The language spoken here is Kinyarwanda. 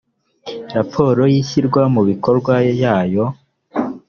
raporo y ishyirwa mu bikorwa yayo